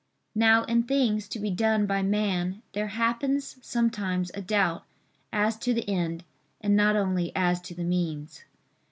Now in things to be done by man there happens sometimes a doubt as to the end and not only as to the means.